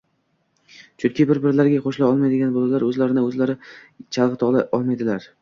chunki bir-birlariga qo‘shila olmaydigan bolalar o‘zlarini o‘zlari chalg‘ita olmaydilar